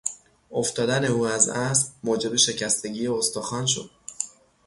افتادن او از اسب موجب شکستگی استخوان شد.